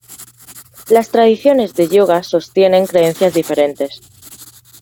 Las tradiciones de yoga sostienen creencias diferentes.